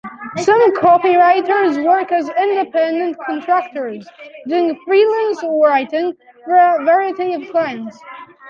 Some copywriters work as independent contractors, doing freelance writing for a variety of clients.